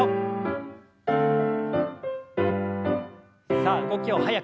さあ動きを早く。